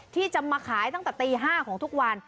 ที่จะมาขายตั้งแต่ตี๕ของทุกวัน